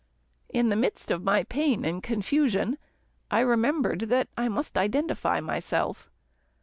In the midst of my pain and confusion, I remembered that I must identify myself.